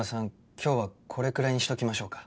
今日はこれくらいにしておきましょうか。